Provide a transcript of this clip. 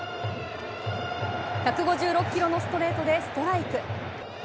１５６キロのストレートでストライク。